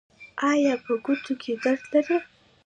ایا په ګوتو کې درد لرئ؟